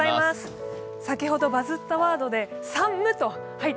先ほど「バズったワード」でさっっっっ